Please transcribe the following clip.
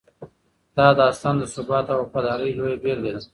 دا داستان د ثبات او وفادارۍ لویه بېلګه ده.